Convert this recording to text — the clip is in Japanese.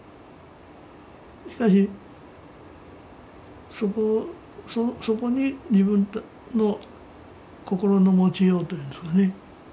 しかしそこに自分の心の持ちようというんですかね。